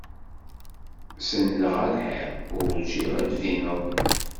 Senndeɣ ar lḥiḍ, urǧiɣ ad d-tbineḍ.